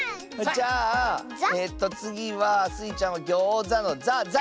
じゃあえっとつぎはスイちゃんは「ギョーザ」の「ざ」。